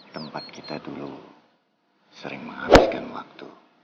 tempat kita dulu sering menghabiskan waktu